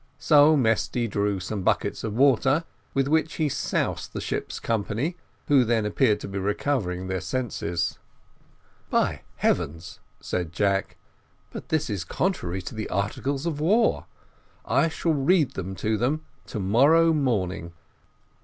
So Mesty drew some buckets of water, with which he soused the ship's company, who then appeared to be recovering their senses. "By heavens!" says Jack, "but this is contrary to the `articles of war'; I shall read them to them to morrow morning."